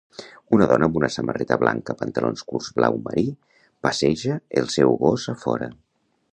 Una dona amb una samarreta blanca pantalons curts blau marí passeja el seu gos a fora.